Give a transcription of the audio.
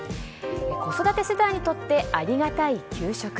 子育て世代にとってありがたい給食。